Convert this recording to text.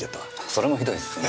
それもひどいっすね。